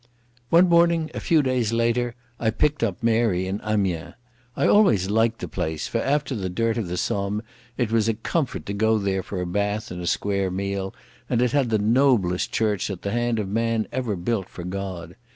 One morning a few days later I picked up Mary in Amiens. I always liked the place, for after the dirt of the Somme it was a comfort to go there for a bath and a square meal, and it had the noblest church that the hand of man ever built for God.